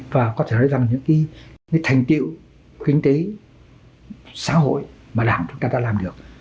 và có thể nói rằng những cái thành tiệu kinh tế xã hội mà đảng chúng ta đã làm được